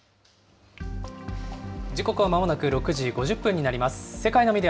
時刻はまもなく６時５０分になります。